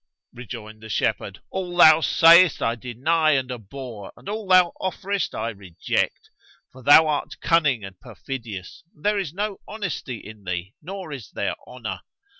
Rejoined the shepherd, "All thou sayest I deny and abhor, and all thou offerest I reject: for thou art cunning and perfidious and there is no honesty in thee nor is there honour.